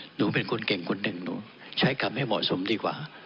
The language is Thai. หนูเป็นคนเก่งคนหนึ่งหนูใช้คำให้เหมาะสมดีกว่า